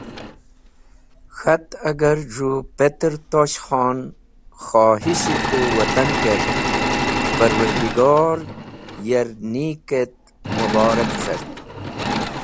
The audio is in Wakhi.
K̃hat: agar z̃hũ petr Tosh Khon khohish-e k̃hũ watan kerk, Parwardigor ya’r nik et mũborak cart.